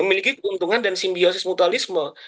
memiliki keuntungan dan simbiosis mutualisme